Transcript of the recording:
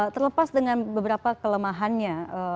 terlepas dengan beberapa kelemahannya